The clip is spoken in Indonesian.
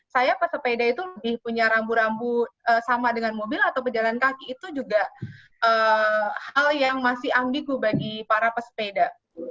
saya pesepeda itu lebih punya rambu rambu sama dengan mobil atau pejalan kaki itu juga hal yang masih ambigu bagi para pesepeda